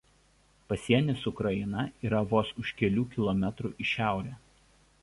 Pasienis su Ukraina yra vos už kelių kilometrų į šiaurę.